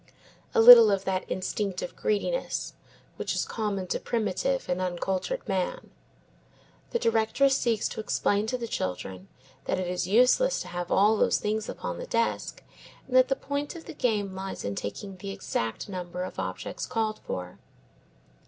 A little of that instinctive greediness, which is common to primitive and uncultured man. The directress seeks to explain to the children that it is useless to have all those things upon the desk, and that the point of the game lies in taking the exact number of objects called for.